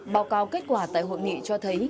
báo cáo kết quả tại hội nghị cho thấy